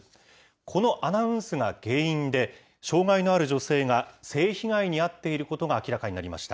このアナウンスが原因で、障害のある女性が性被害に遭っていることが明らかになりました。